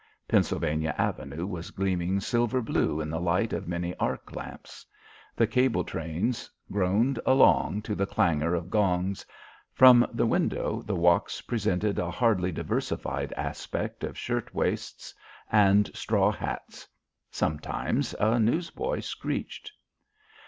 Pennsylvania Avenue was gleaming silver blue in the light of many arc lamps; the cable trains groaned along to the clangour of gongs; from the window, the walks presented a hardly diversified aspect of shirt waists and straw hats. Sometimes a newsboy screeched.